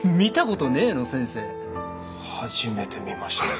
初めて見ました。